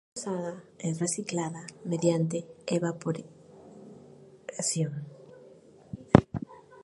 El agua usada es reciclada mediante evaporación.